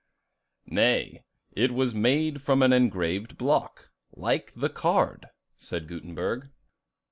"Nay, it was made from an engraved block, like the card," said Gutenberg.